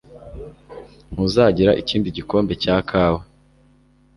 Ntuzagira ikindi gikombe cya kawa?